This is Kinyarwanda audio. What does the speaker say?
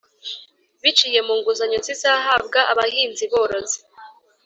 biciye mu nguzanyo zizahabwa abahinzi borozi.